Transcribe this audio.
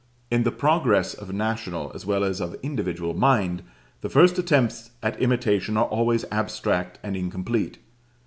In the progress of national as well as of individual mind, the first attempts at imitation are always abstract and incomplete.